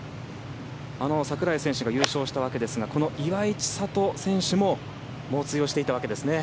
櫻井選手が優勝したわけですがこの岩井千怜選手も猛追していたわけですね。